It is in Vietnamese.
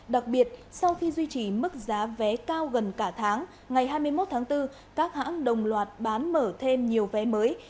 đặc biệt sau khi duy trì mức giá vé cao gần cả tháng ngày hai mươi một tháng bốn các hãng đồng loạt bán mở thêm nhiều vé mới